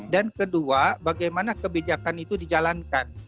dan kedua bagaimana kebijakan itu dijalankan